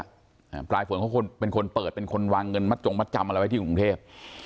อ่าปลายฝนเขาคนเป็นคนเปิดเป็นคนวางเงินมัดจงมัดจำอะไรไว้ที่กรุงเทพ